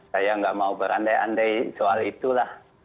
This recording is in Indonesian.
saya nggak mau berandai andai soal itulah